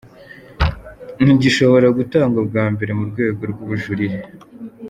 Ntigishobora gutangwa bwa mbere mu rwego rw’ubujurire.